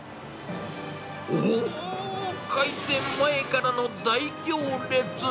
おー、開店前からの大行列。